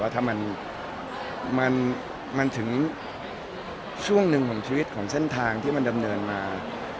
ถ้ามันถึงช่วงหนึ่งของชีวิตของเส้นทางที่มันดำเนินมา